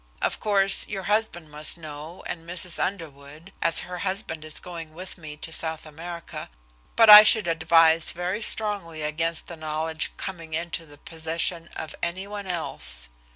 Of course your husband must know and Mrs. Underwood, as her husband is going with me to South America. But I should advise very strongly against the knowledge coming into the possession of any one else.